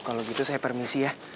kalau gitu saya permisi ya